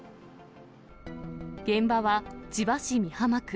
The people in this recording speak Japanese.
現場は、千葉市美浜区。